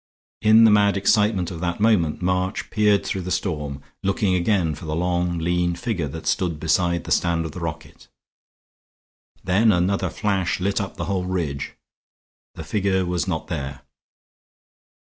In the mad excitement of that moment March peered through the storm, looking again for the long lean figure that stood beside the stand of the rocket. Then another flash lit up the whole ridge. The figure was not there.